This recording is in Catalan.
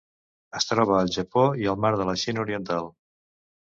Es troba al Japó i al Mar de la Xina Oriental.